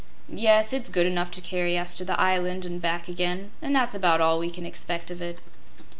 "Yes; it's good enough to carry us to the island an' back again, an' that's about all we can expect of it."